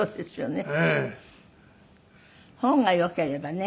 本がよければね。